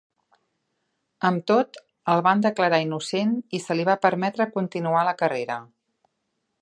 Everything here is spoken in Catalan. Amb tot, el van declarar innocent i se li va permetre continuar la carrera.